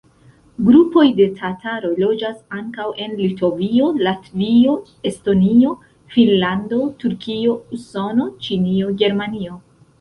Grupoj de tataroj loĝas ankaŭ en Litovio, Latvio, Estonio, Finnlando, Turkio, Usono, Ĉinio, Germanio.